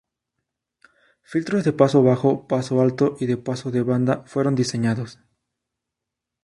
Filtros de paso bajo, paso alto y de paso de banda fueron diseñados.